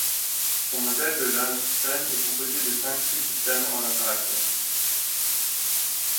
Son modèle de l’homme-système est composé de cinq sous-systèmes en interaction.